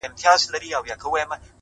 o هـغــه اوس سيــمــي د تـــــه ځـــــي؛